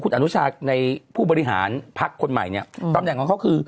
อนุชาในผู้บริหารพักคนใหม่เนี่ยตำแหน่งของเขาคือ